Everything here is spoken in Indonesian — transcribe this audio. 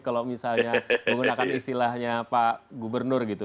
kalau misalnya menggunakan istilahnya pak gubernur gitu